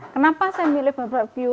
kenapa saya milih barbeku